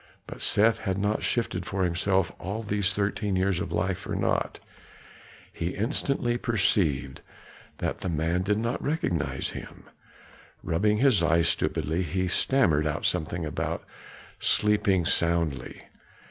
But Seth had not shifted for himself all his thirteen years of life for naught. He instantly perceived that the man did not recognize him; rubbing his eyes stupidly, he stammered out something about sleeping soundly.